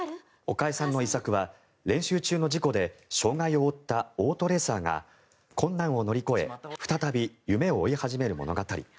岡江さんの遺作は練習中の事故で障害を負ったオートレーサーが困難を乗り越え再び夢を追い始める物語。